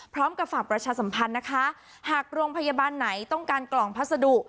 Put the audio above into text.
พร้อมกับฝากประชาสัมพันธ์นะคะหากโรงพยาบาลไหนต้องการกล่องพัสดุ